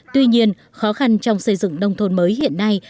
tuy nhiên khó khăn trong xây dựng nông thôn mới hiện nay